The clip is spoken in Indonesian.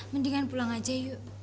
mendingan pulang saja yuk